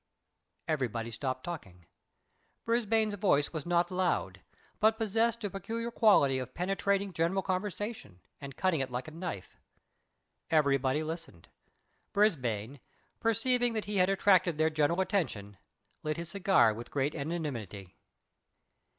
Everybody stopped talking. Brisbane's voice was not loud, but possessed a peculiar quality of penetrating general conversation, and cutting it like a knife. Everybody listened. Brisbane, perceiving that he had attracted their general attention, lit his cigar with great equanimity.